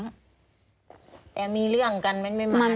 แต่มีเรื่องกันมันไม่มาเยอะ